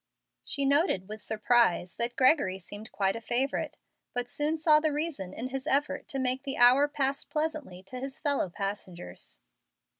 She noted with surprise that Gregory seemed quite a favorite, but soon saw the reason in his effort to make the hour pass pleasantly to his fellow passengers.